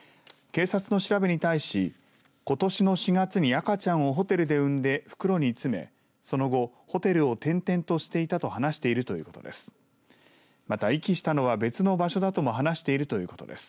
警察の調べに対しことしの４月に赤ちゃんをホテルで産んで袋に詰めその後、ホテルを転々としていたと話しているということです。